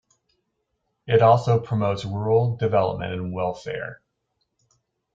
It also promotes rural development and welfare.